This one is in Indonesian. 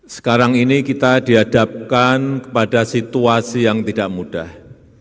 sekarang ini kita dihadapkan kepada situasi yang tidak mudah